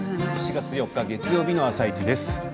７月４日月曜日の「あさイチ」です。